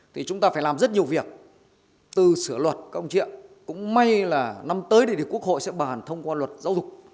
thì chúng ta phải làm rất nhiều việc từ sửa luật các ông chuyện cũng may là năm tới thì quốc hội sẽ bàn thông qua luật giáo dục